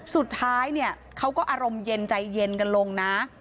สุดท้ายเนี่ยเขาก็อารมณ์เย็นใจเย็นกันลงนะ